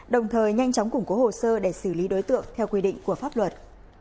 đồng thời nhanh chóng củng cố hồ sơ để xử lý đối tượng theo quy định của pháp luật